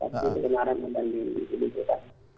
pasti kebenaran akan dikirimkan